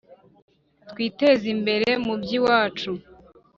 Twiteze imbere mu by’iwacu